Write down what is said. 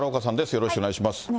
よろしくお願いします。